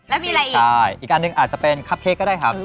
แล้วมีอะไรอีกใช่อีกอันหนึ่งอาจจะเป็นคับเค้กก็ได้ครับ